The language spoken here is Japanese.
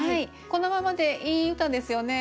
このままでいい歌ですよね。